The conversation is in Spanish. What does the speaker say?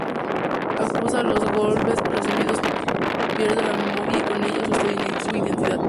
A causa de los golpes recibidos, pierde la memoria y, con ella, su identidad.